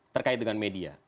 terkait dengan media